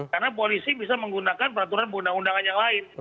karena polisi bisa menggunakan peraturan pendahun undangan yang lain